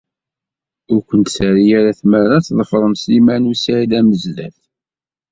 Ur ken-terri tmara ad tḍefrem Sliman u Saɛid Amezdat.